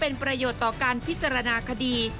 เป็นประโยชน์ต่อการพิจารณาคดี